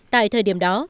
tại thời điểm đó